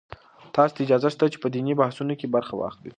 تاسو ته اجازه شته چې په دیني بحثونو کې برخه واخلئ.